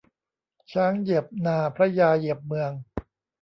ช้างเหยียบนาพระยาเหยียบเมือง